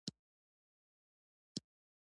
ډیر ښه زه هم د همدې ګوند له پلویانو څخه یم.